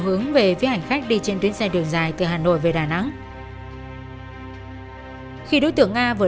hướng về phía hành khách đi trên tuyến xe đường dài từ hà nội về đà nẵng khi đối tượng nga vừa